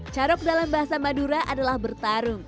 carok dalam bahasa madura adalah bertarung